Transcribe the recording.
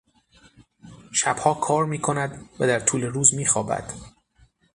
شبها کار میکند و در طول روز میخوابد.